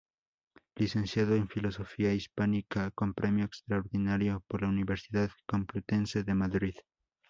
Licenciado en Filología Hispánica con Premio Extraordinario por la Universidad Complutense de Madrid.